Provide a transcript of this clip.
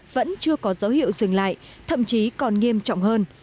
vẫn chưa có dấu hiệu dừng lại thậm chí còn nghiêm trọng hơn